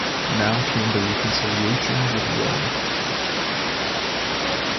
Now came the reconciliation with Rome.